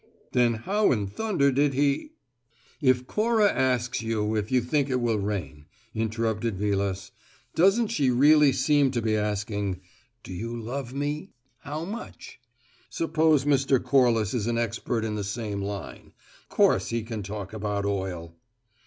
"Then how in thunder did he " "If Cora asks you if you think it will rain," interrupted Vilas, "doesn't she really seem to be asking: `Do you love me? How much?' Suppose Mr. Corliss is an expert in the same line. Of course he can talk about oil!"